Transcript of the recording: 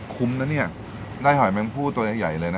คุ้มนะเนี่ยได้หอยแมงพู่ตัวใหญ่เลยนะ